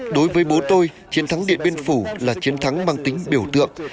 đối với bố tôi chiến thắng điện biên phủ là chiến thắng mang tính biểu tượng